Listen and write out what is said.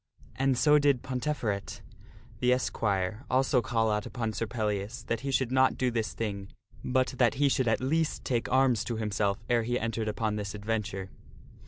And so did Ponteferet, the esquire, also call out upon Sir Pellias, that he should not do this thing, but that he should at least take arms to himself ere he entered upon this adventure.